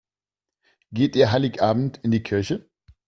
Geht ihr Heiligabend in die Kirche?